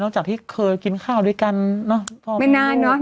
จากที่เคยกินข้าวด้วยกันเนอะพอไม่นานเนอะ